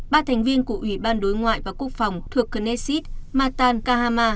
ba thành viên của ủy ban đối ngoại và quốc phòng thuộc genecid matan kahama